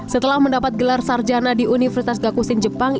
setelah mendapat gelar sarjana di universitas gakusin jepang